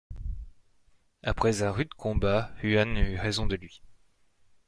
Après un rude combat, Huan eut raison de lui.